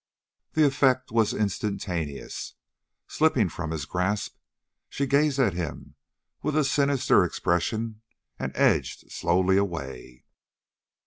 The effect was instantaneous. Slipping from his grasp, she gazed at him with a sinister expression and edged slowly away.